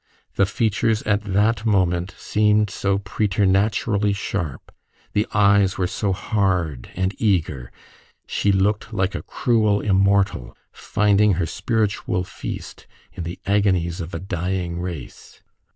The features at that moment seemed so preternaturally sharp, the eyes were so hard and eager she looked like a cruel immortal, finding her spiritual feast in the agonies of a dying race.